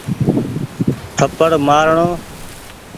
ٿپڙ مآر ڻو۔